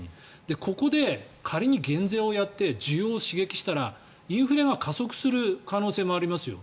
ここで仮に減税をやって需要を刺激したらインフレが加速する可能性もありますよ。